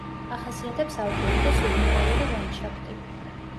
ახასიათებს ალპური და სუბნივალური ლანდშაფტი.